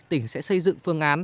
tỉnh sẽ xây dựng phương án